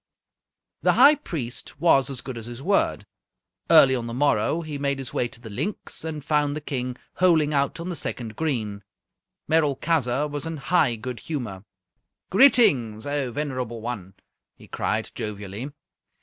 The High Priest was as good as his word. Early on the morrow he made his way to the Linx, and found the King holing out on the second green. Merolchazzar was in high good humour. "Greetings, O venerable one!" he cried, jovially.